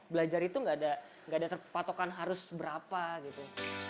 belajar itu gak ada terpatokan harus berapa gitu